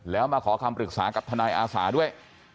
แล้วมาขอคำปรึกษากับทศด้วย